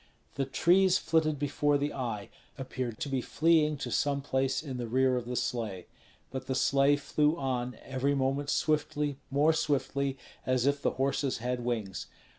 The trees flitted before the eye, appeared to be fleeing to some place in the rear of the sleigh; but the sleigh flew on, every moment swiftly, more swiftly, as if the horses had wings.